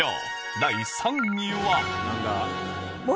第３位は？